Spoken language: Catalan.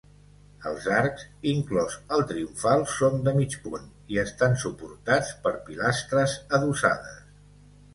Els arcs, inclòs el triomfal, són de mig punt i estan suportats per pilastres adossades.